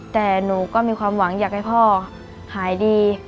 แต่หนูก็มีความหวังอยากให้พ่อหายดี